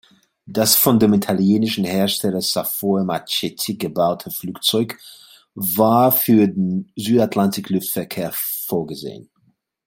Das von dem italienischen Hersteller Savoia-Marchetti gebaute Flugzeug war für den Südatlantik-Luftverkehr vorgesehen.